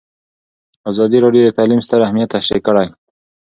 ازادي راډیو د تعلیم ستر اهميت تشریح کړی.